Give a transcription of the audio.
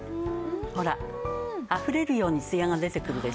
ほらあふれるようにツヤが出てくるでしょう。